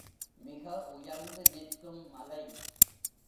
மிக உயர்ந்து நிற்கும் மலை.